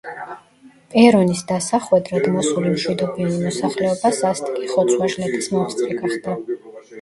პერონის დასახვედრად მოსული მშვიდობიანი მოსახლეობა სასტიკი ხოცვა-ჟლეტის მომსწრე გახდა.